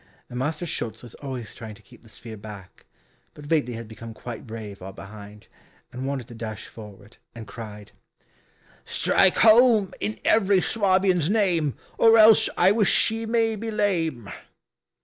Master Schulz was always trying to keep the spear back, but Veitli had become quite brave while behind, and wanted to dash forward and cried, "Strike home, in every Swabian's name, Or else I wish ye may be lame."